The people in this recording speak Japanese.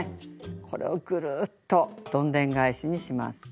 これをぐるっとどんでん返しにします。